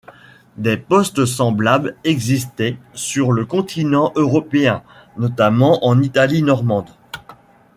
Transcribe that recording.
Des postes semblables existaient sur le continent européen, notamment en Italie normande.